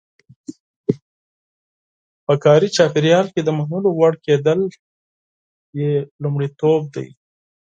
په کاري چاپېریال کې د منلو وړ کېدل یې لومړیتوب دی.